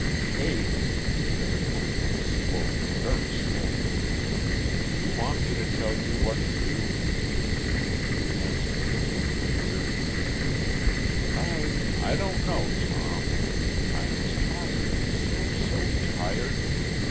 "Kate," he said, at length, slowly, very slowly, "do you want me to tell you what to do?" She answered, with infinite weariness: "I I don't know, Tom.... I'm tired so, so tired...."